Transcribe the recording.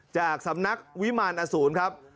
จากสำนักวิมารอสูรครับ